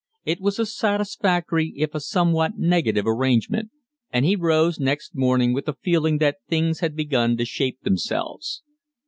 It was a satisfactory if a somewhat negative arrangement, and he rose next morning with a feeling that things had begun to shape themselves.